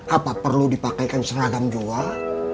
apa perlu dipakaikan seragam jual